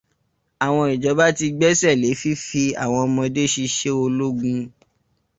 Àwọn ìjọba ti gbẹ́sẹ̀ lé fífi àwọn ọmọde ṣiṣẹ́ ológun.